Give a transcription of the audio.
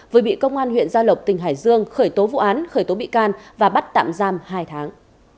vừa bị công an huyện gia lộc tỉnh hải dương khởi tố vụ án khởi tố bị can và bắt tạm giam hai tháng